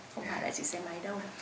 không phải là chỉ xe máy đâu